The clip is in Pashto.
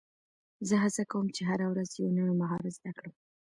زه هڅه کوم، چي هره ورځ یو نوی مهارت زده کړم.